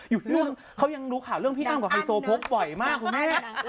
เรื่องเขายังรู้ข่าวเรื่องพี่อ้ำกับไฮโซโพกบ่อยมากคุณแม่